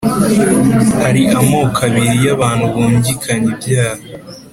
Hari amoko abiri y’abantu bungikanya ibyaha,